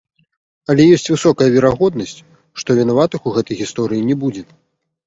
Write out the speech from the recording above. Але ёсць высокая верагоднасць, што вінаватых у гэтай гісторыі не будзе.